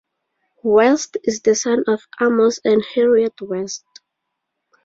West is the son of Amos and Harriet West.